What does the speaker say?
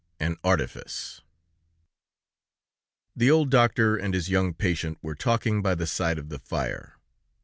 AN ARTIFICE The old doctor and his young patient were talking by the side of the fire.